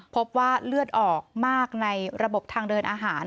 พบว่าเลือดออกมากในระบบทางเดินอาหาร